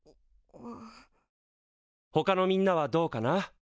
ほかのみんなはどうかな？